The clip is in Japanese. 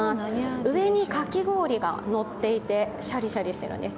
上にかき氷が乗っていて、シャリシャリしているんです。